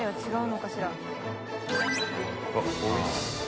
わっおいしそう。